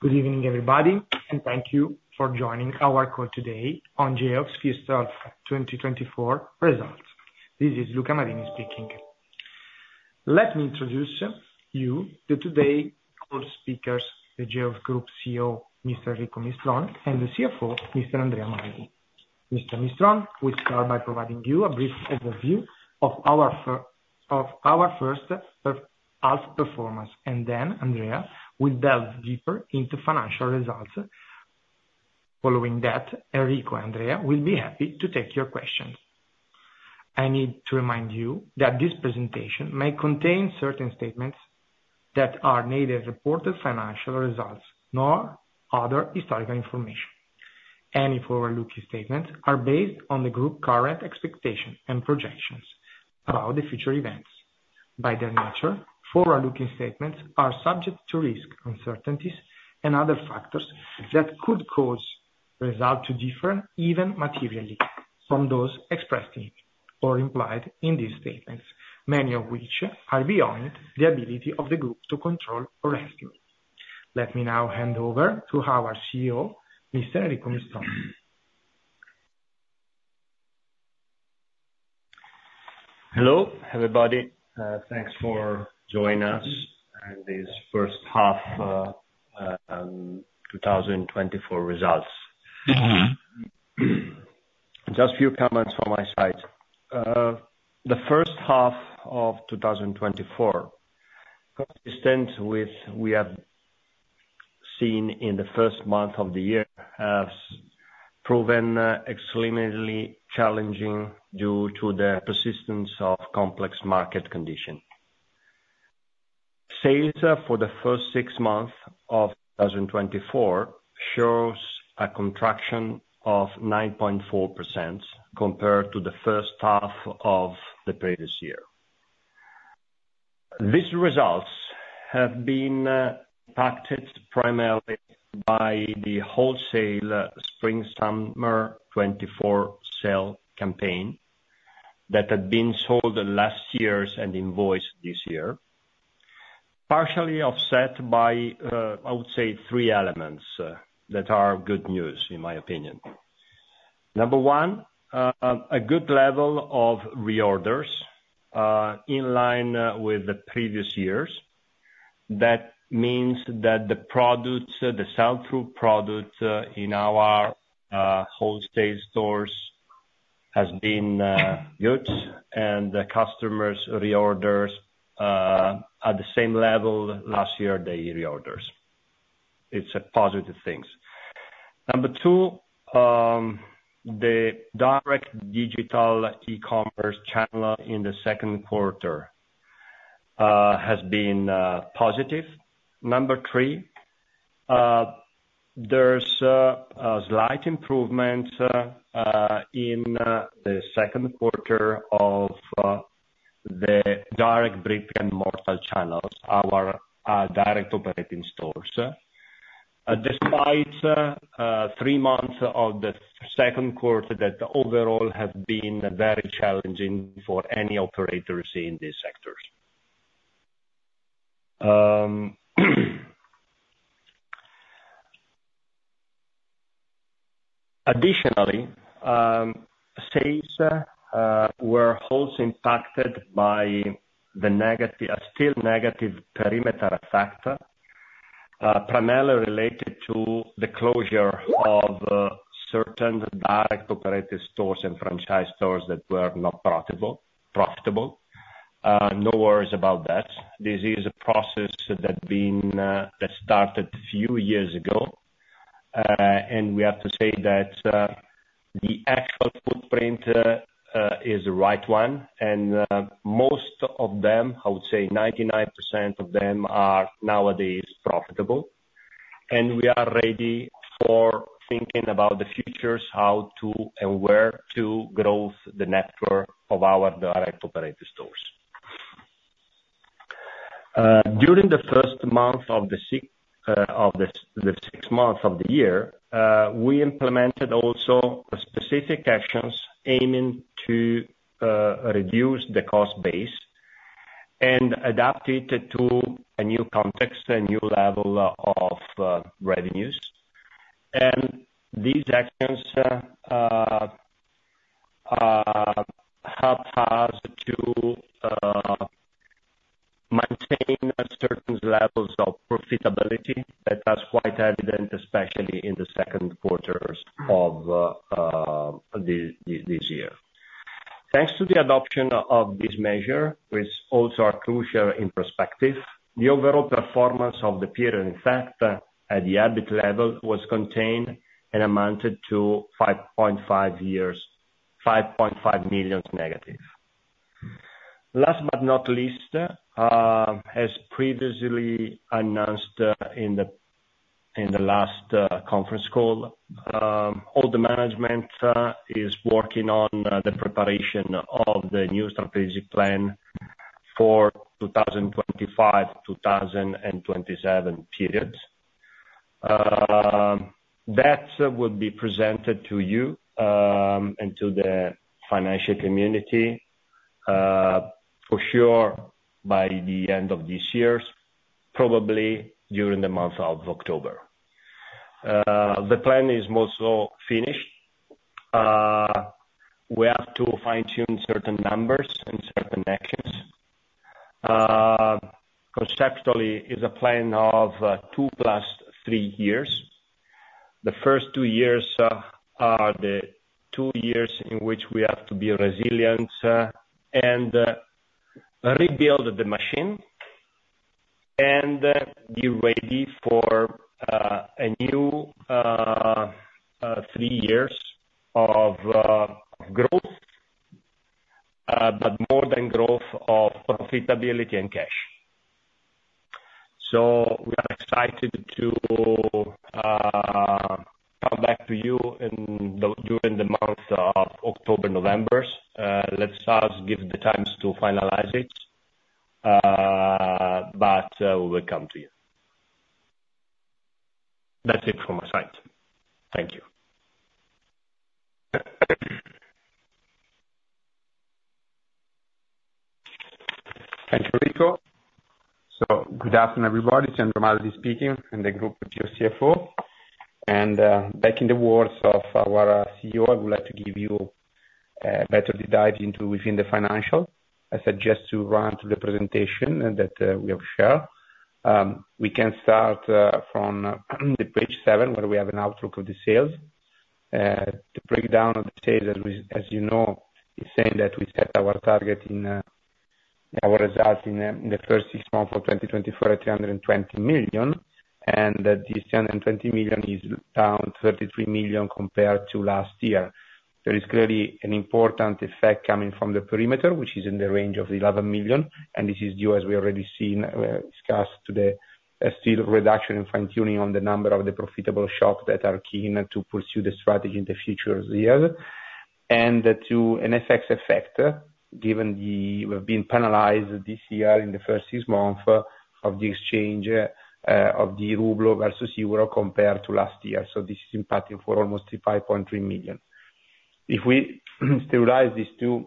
Good evening, everybody, and thank you for joining our call today on Geox first half 2024 results. This is Luca Amadini speaking. Let me introduce you to today's call speakers, the Geox Group CEO, Mr. Enrico Mistron, and the CFO, Mr. Andrea Maldi. Mr. Mistron will start by providing you a brief overview of our first half performance, and then Andrea will delve deeper into financial results. Following that, Enrico and Andrea will be happy to take your questions. I need to remind you that this presentation may contain certain statements that are neither reported financial results nor other historical information. Any forward-looking statements are based on the group's current expectations and projections about the future events. By their nature, forward-looking statements are subject to risk, uncertainties, and other factors that could cause results to differ even materially from those expressed in or implied in these statements, many of which are beyond the ability of the group to control or estimate. Let me now hand over to our CEO, Mr. Enrico Mistron. Hello, everybody. Thanks for joining us in this first half 2024 results. Just a few comments from my side. The first half of 2024, consistent with what we have seen in the first month of the year, has proven extremely challenging due to the persistence of complex market conditions. Sales for the first six months of 2024 show a contraction of 9.4% compared to the first half of the previous year. These results have been impacted primarily by the wholesale Spring-Summer 2024 sale campaign that had been sold last year and invoiced this year, partially offset by, I would say, three elements that are good news, in my opinion. Number one, a good level of reorders in line with the previous years. That means that the sell-through product in our wholesale stores has been good, and customers reordered at the same level last year as the reorders. It's a positive thing. Number two, the direct digital e-commerce channel in the second quarter has been positive. Number three, there's a slight improvement in the second quarter of the direct brick-and-mortar channels, our direct operating stores. Despite three months of the second quarter that overall have been very challenging for any operators in these sectors. Additionally, sales were also impacted by the still negative perimeter factor, primarily related to the closure of certain direct operating stores and franchise stores that were not profitable. No worries about that. This is a process that started a few years ago, and we have to say that the actual footprint is the right one. And most of them, I would say 99% of them, are nowadays profitable. And we are ready for thinking about the future, how to and where to grow the network of our direct operating stores. During the first month of the six months of the year, we implemented also specific actions aiming to reduce the cost base and adapt it to a new context, a new level of revenues. These actions help us to maintain certain levels of profitability that are quite evident, especially in the second quarters of this year. Thanks to the adoption of this measure, which also is crucial in perspective, the overall performance of the period, in fact, at the EBIT level was contained and amounted to 5.5 million. Last but not least, as previously announced in the last conference call, all the management is working on the preparation of the new strategic plan for the 2025-2027 period. That will be presented to you and to the financial community, for sure, by the end of this year, probably during the month of October. The plan is mostly finished. We have to fine-tune certain numbers and certain actions. Conceptually, it's a plan of 2 + 3 years. The first 2 years are the 2 years in which we have to be resilient and rebuild the machine and be ready for a new 3 years of growth, but more than growth of profitability and cash. So we are excited to come back to you during the months of October and November. Let's give the time to finalize it, but we will come to you. That's it from my side. Thank you. Thank you, Enrico. Good afternoon, everybody. Andrea Maldi speaking on behalf of the group with your CFO. And, picking up the words of our CEO, I would like to give you a deeper dive into the financials. I suggest to run through the presentation that we have shared. We can start from page 7, where we have an outlook of the sales. The breakdown of the sales, as you know, is saying that we met our target in our results in the first six months of 2024 at 320 million, and this 320 million is down 33 million compared to last year. There is clearly an important effect coming from the perimeter, which is in the range of 11 million. And this is due, as we already seen, discussed today, a still reduction in fine-tuning on the number of the profitable shops that are keen to pursue the strategy in the future years. And to an FX effect, given we've been penalized this year in the first 6 months of the exchange of the ruble versus euro compared to last year. So this is impacting for almost 5.3 million. If we sterilize these two,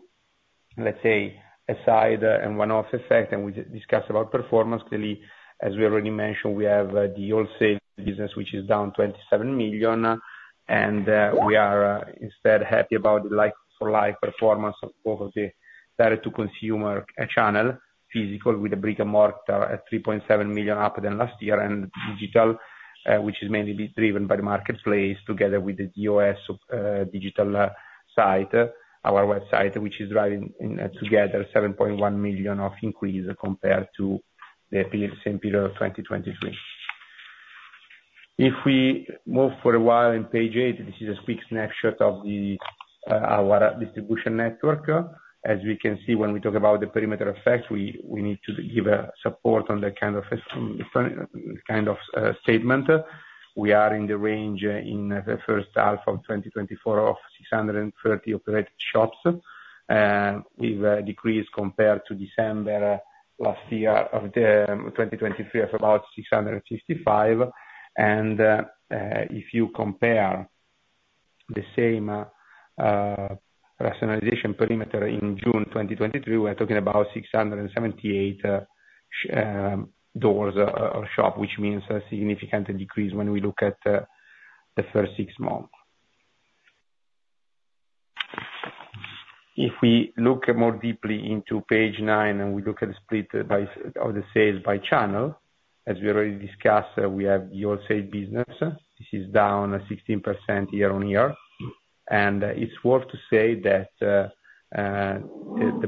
let's say, aside and one-off effect, and we discuss about performance, clearly, as we already mentioned, we have the wholesale business, which is down 27 million, and we are instead happy about the like-for-like performance of both of the direct-to-consumer channel, physical with the brick-and-mortar at 3.7 million up than last year, and digital, which is mainly driven by the marketplace together with the DOS digital site, our website, which is driving together 7.1 million of increase compared to the same period of 2023. If we move for a while in page 8, this is a quick snapshot of our distribution network. As we can see, when we talk about the perimeter effect, we need to give support on that kind of statement. We are in the range in the first half of 2024 of 630 operating shops. We've decreased compared to December last year of 2023 of about 665. And if you compare the same rationalization perimeter in June 2023, we're talking about 678 doors or shops, which means a significant decrease when we look at the first six months. If we look more deeply into page nine and we look at the split of the sales by channel, as we already discussed, we have the wholesale business. This is down 16% year-on-year. And it's worth to say that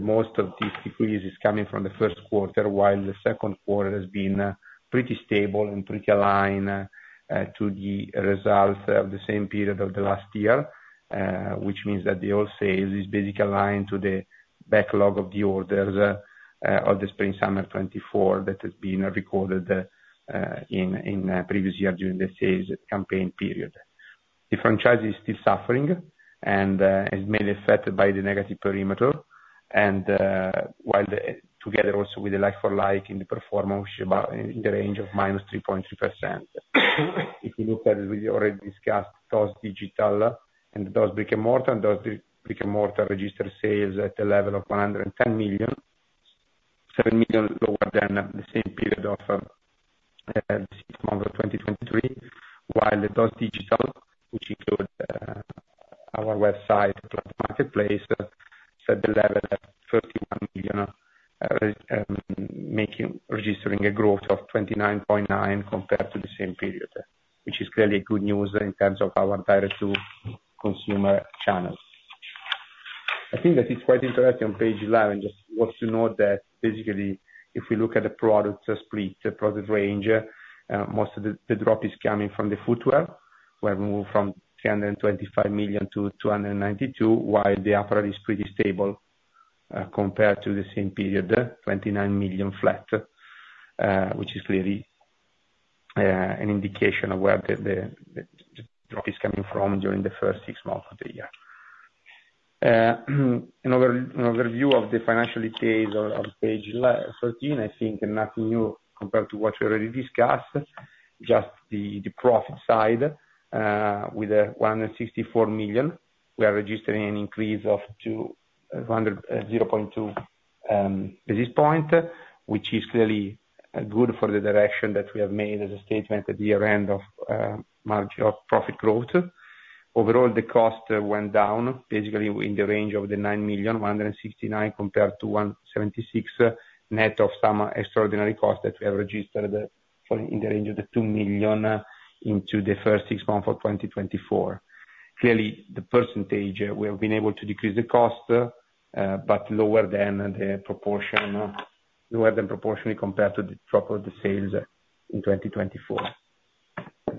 most of these decreases are coming from the first quarter, while the second quarter has been pretty stable and pretty aligned to the results of the same period of the last year, which means that the wholesale is basically aligned to the backlog of the orders of the Spring-Summer 2024 that has been recorded in the previous year during the sales campaign period. The franchise is still suffering and is mainly affected by the negative perimeter, and while together also with the like-for-like in the performance, which is in the range of -3.3%. If you look at it, we already discussed those digital and those brick-and-mortar. Those brick-and-mortar register sales at the level of 110 million, 7 million lower than the same period of the six months of 2023, while those digital, which include our website plus marketplace, set the level at 31 million, registering a growth of 29.9% compared to the same period, which is clearly good news in terms of our direct-to-consumer channel. I think that it's quite interesting on page 11, just worth to note that basically, if we look at the product split, the product range, most of the drop is coming from the footwear, where we moved from 325 million to 292 million, while the apparel is pretty stable compared to the same period, 29 million flat, which is clearly an indication of where the drop is coming from during the first six months of the year. An overview of the financial details on page 13, I think nothing new compared to what we already discussed, just the profit side with 164 million. We are registering an increase of 0.2 basis points, which is clearly good for the direction that we have made as a statement at the year-end of profit growth. Overall, the cost went down, basically in the range of 9 million, 169 compared to 176 net of some extraordinary costs that we have registered in the range of 2 million into the first six months of 2024. Clearly, the percentage we have been able to decrease the cost, but lower than proportionally compared to the drop of the sales in 2024.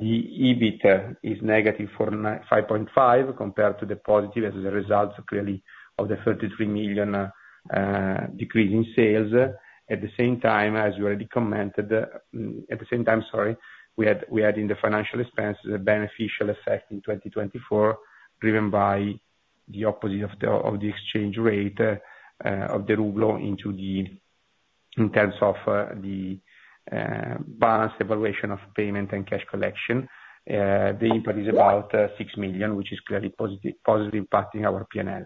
The EBIT is negative for 5.5 million compared to the positive as a result, clearly, of the 33 million decrease in sales. At the same time, as we already commented, at the same time, sorry, we had in the financial expenses a beneficial effect in 2024 driven by the opposite of the exchange rate of the ruble in terms of the balance evaluation of payment and cash collection. The impact is about 6 million, which is clearly positively impacting our P&L.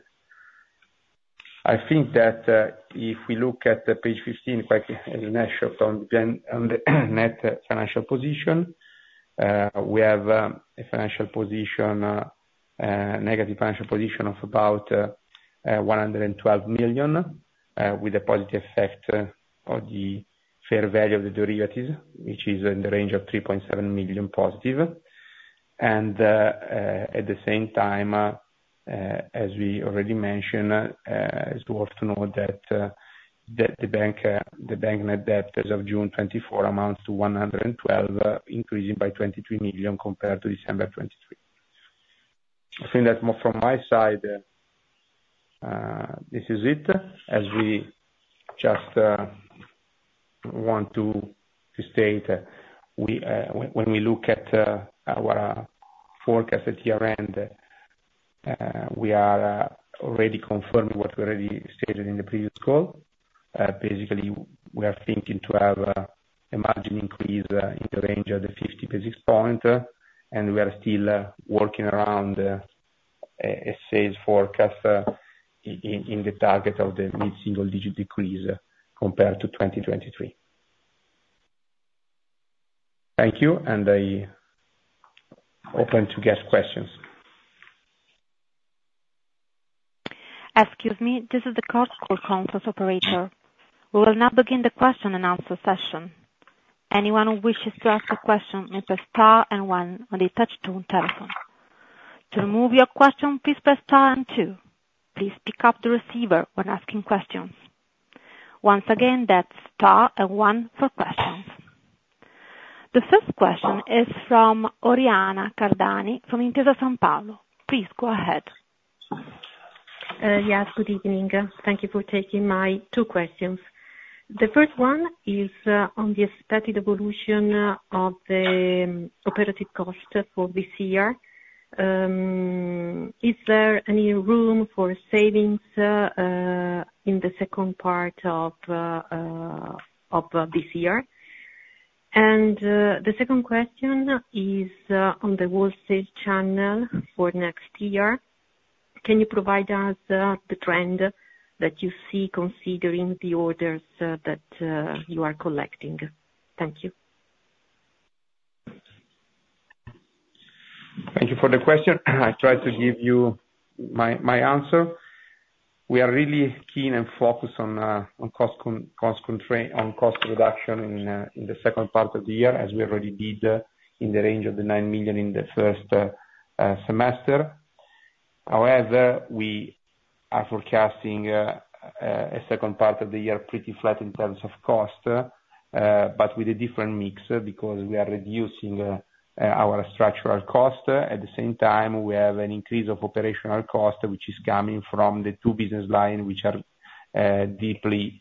I think that if we look at page 15, quite a nice shot on the net financial position, we have a negative financial position of about 112 million with a positive effect on the fair value of the derivatives, which is in the range of 3.7 million positive. At the same time, as we already mentioned, it's worth to note that the net debt as of June 2024 amounts to 112 million, increasing by 23 million compared to December 2023. I think that from my side, this is it. As we just want to state, when we look at our forecast at year-end, we are already confirming what we already stated in the previous call. Basically, we are thinking to have a margin increase in the range of the 50 basis points, and we are still working around a sales forecast in the target of the mid-single digit decrease compared to 2023. Thank you, and I open to guest questions. Excuse me, this is the conference call operator. We will now begin the question and answer session. Anyone who wishes to ask a question may press star and one on the touch-tone telephone. To remove your question, please press star and two. Please pick up the receiver when asking questions. Once again, that's star and one for questions. The first question is from Oriana Cardani from Intesa Sanpaolo. Please go ahead. Yes, good evening. Thank you for taking my two questions. The first one is on the expected evolution of the operating cost for this year. Is there any room for savings in the second part of this year? And the second question is on the wholesale channel for next year. Can you provide us the trend that you see considering the orders that you are collecting? Thank you. Thank you for the question. I tried to give you my answer. We are really keen and focused on cost reduction in the second part of the year, as we already did in the range of 9 million in the first semester. However, we are forecasting a second part of the year pretty flat in terms of cost, but with a different mix because we are reducing our structural cost. At the same time, we have an increase of operational cost, which is coming from the two business lines, which are deeply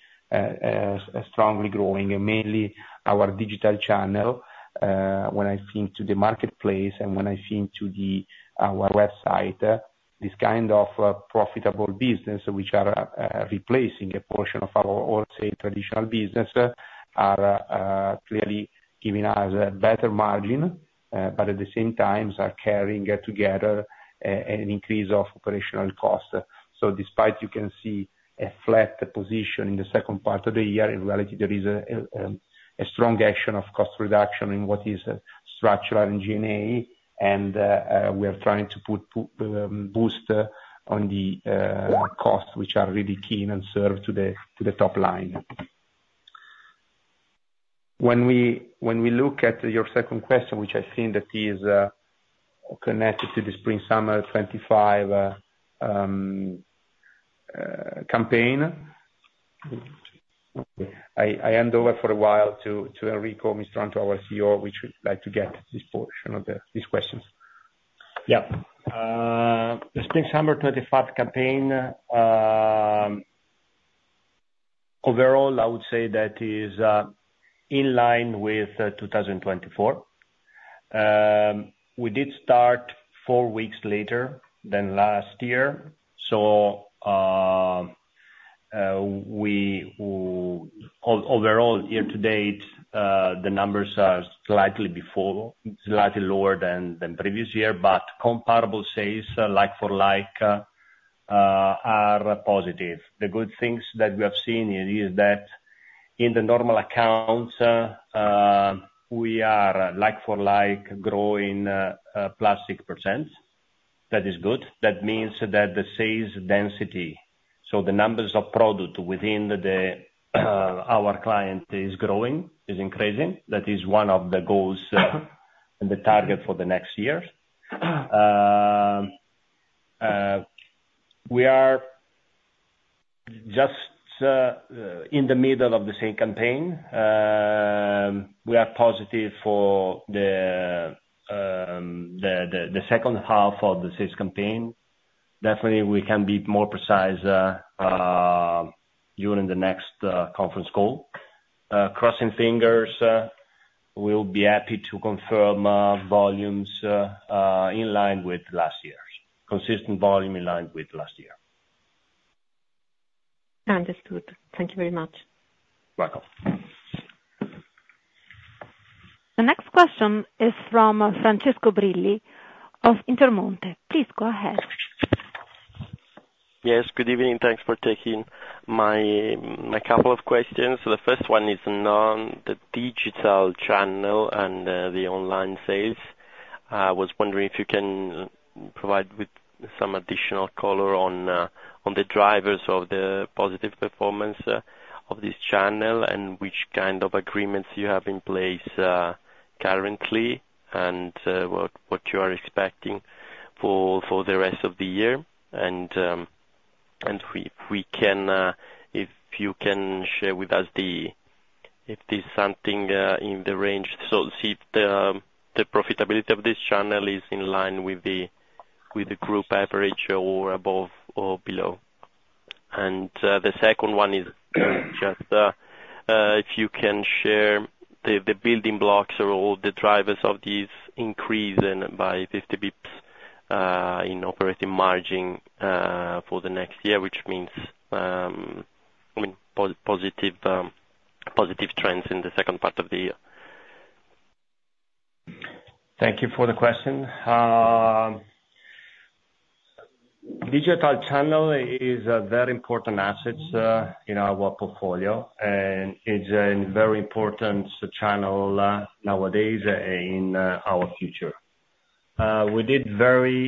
strongly growing, mainly our digital channel. When I think to the marketplace and when I think to our website, this kind of profitable business, which are replacing a portion of our wholesale traditional business, are clearly giving us a better margin, but at the same time, are carrying together an increase of operational cost. So despite you can see a flat position in the second part of the year, in reality, there is a strong action of cost reduction in what is structural and G&A, and we are trying to put boost on the costs, which are really keen and serve to the top line. When we look at your second question, which I think that is connected to the Spring-Summer 2025 campaign, I hand over for a while to Enrico Mistron, our CEO, which we'd like to get this portion of these questions. Yeah. The Spring-Summer 2025 campaign, overall, I would say that is in line with 2024. We did start four weeks later than last year. So overall, year-to-date, the numbers are slightly lower than previous year, but comparable sales, like-for-like, are positive. The good things that we have seen is that in the normal accounts, we are like-for-like growing +6%. That is good. That means that the sales density, so the numbers of product within our client is growing, is increasing. That is one of the goals and the target for the next year. We are just in the middle of the same campaign. We are positive for the second half of the sales campaign. Definitely, we can be more precise during the next conference call. Crossing fingers, we'll be happy to confirm volumes in line with last year, consistent volume in line with last year. Understood. Thank you very much. You're welcome. The next question is from Francesco Brilli of Intermonte. Please go ahead. Yes, good evening. Thanks for taking my couple of questions. The first one is on the digital channel and the online sales. I was wondering if you can provide with some additional color on the drivers of the positive performance of this channel and which kind of agreements you have in place currently and what you are expecting for the rest of the year. And if you can share with us if there's something in the range, so see if the profitability of this channel is in line with the group average or above or below. And the second one is just if you can share the building blocks or the drivers of this increase by 50 basis points in operating margin for the next year, which means positive trends in the second part of the year. Thank you for the question. Digital channel is a very important asset in our portfolio, and it's a very important channel nowadays in our future. We did a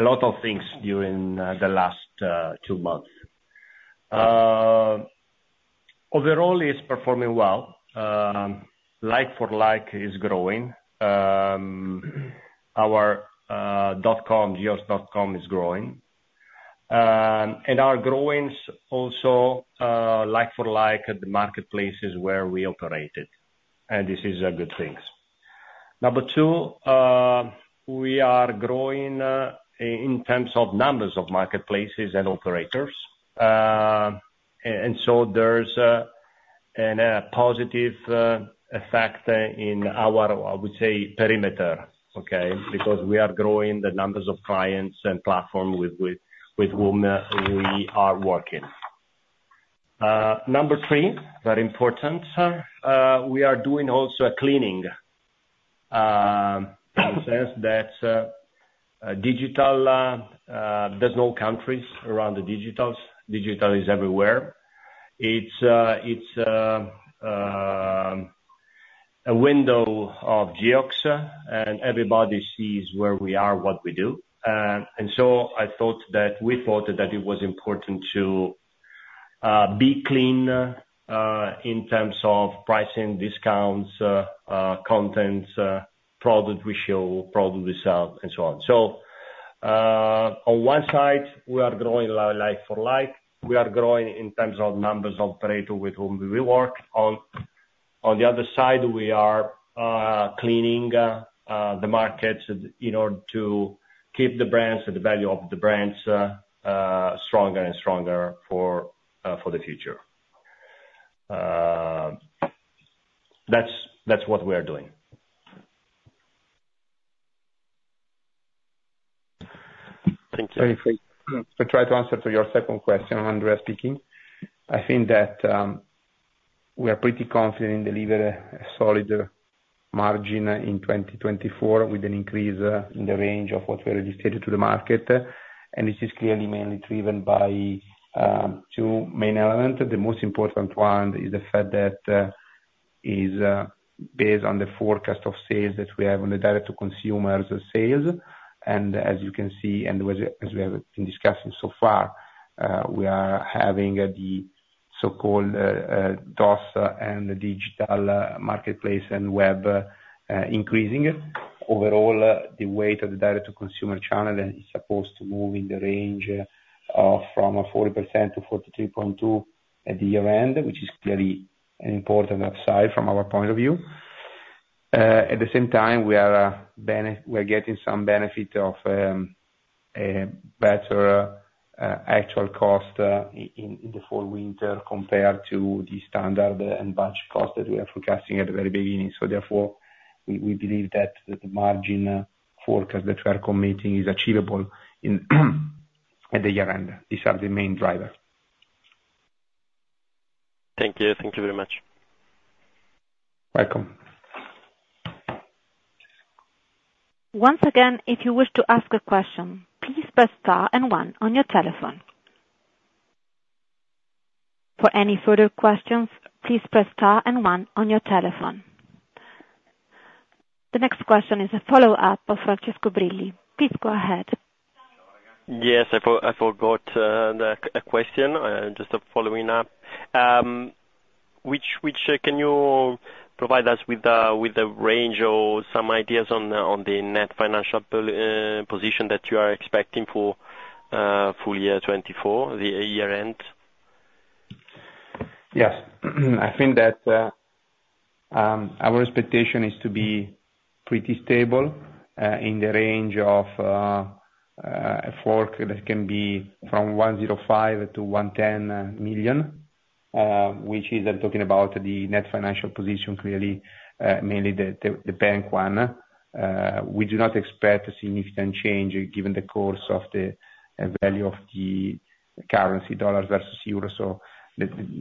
lot of things during the last two months. Overall, it's performing well. Like-for-like is growing. Our geox.com is growing. And our growth is also like-for-like at the marketplaces where we operated, and this is a good thing. Number two, we are growing in terms of numbers of marketplaces and operators. And so there's a positive effect in our, I would say, perimeter, okay, because we are growing the numbers of clients and platforms with whom we are working. Number three, very important, we are doing also a cleaning in the sense that digital, there's no countries around the digital. Digital is everywhere. It's a window of Geox, and everybody sees where we are, what we do. And so I thought that we thought that it was important to be clean in terms of pricing, discounts, contents, product we show, product we sell, and so on. So on one side, we are growing like-for-like. We are growing in terms of numbers of operators with whom we work. On the other side, we are cleaning the markets in order to keep the brands and the value of the brands stronger and stronger for the future. That's what we are doing. Thank you. I'll try to answer to your second question, Andrea speaking. I think that we are pretty confident in delivering a solid margin in 2024 with an increase in the range of what we already stated to the market. This is clearly mainly driven by two main elements. The most important one is the fact that it is based on the forecast of sales that we have on the direct-to-consumers sales. As you can see, and as we have been discussing so far, we are having the so-called DOS and digital marketplace and web increasing. Overall, the weight of the direct-to-consumer channel is supposed to move in the range from 40%-43.2% at the year-end, which is clearly an important upside from our point of view. At the same time, we are getting some benefit of a better actual cost in the fall, winter compared to the standard and budget cost that we are forecasting at the very beginning. So therefore, we believe that the margin forecast that we are committing is achievable at the year-end. These are the main drivers. Thank you. Thank you very much. Welcome. Once again, if you wish to ask a question, please press star and one on your telephone. For any further questions, please press star and one on your telephone. The next question is a follow-up of Francesco Brilli. Please go ahead. Yes, I forgot a question. Just following up. Can you provide us with a range or some ideas on the Net Financial Position that you are expecting for full year 2024, the year-end? Yes. I think that our expectation is to be pretty stable in the range of a fork that can be from 105 million-110 million, which is, I'm talking about the net financial position, clearly mainly the bank one. We do not expect a significant change given the course of the value of the currency, dollars versus euros. So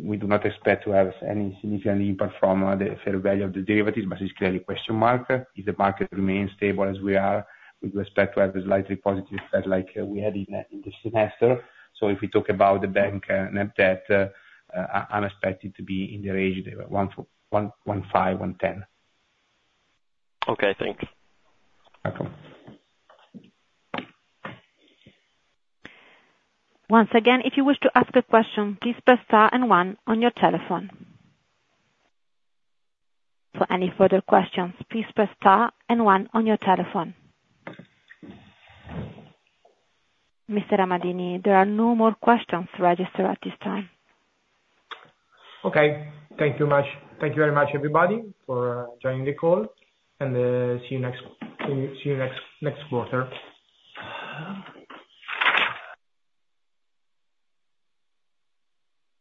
we do not expect to have any significant impact from the fair value of the derivatives, but it's clearly a question mark. If the market remains stable as we are, we do expect to have a slightly positive effect like we had in this semester. So if we talk about the bank net debt, I'm expected to be in the range of 105 million-110 million. Okay. Thanks. Welcome. Once again, if you wish to ask a question, please press star and one on your telephone. For any further questions, please press star and one on your telephone. Mr. Amadini, there are no more questions registered at this time. Okay. Thank you very much, everybody, for joining the call. See you next quarter.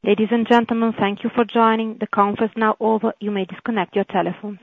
Ladies and gentlemen, thank you for joining. The conference is now over. You may disconnect your telephone.